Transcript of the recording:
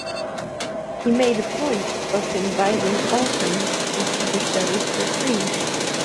He made a point of inviting orphans to see the shows for free.